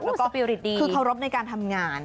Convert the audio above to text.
ว่าคือเค้ารพในการทำงาน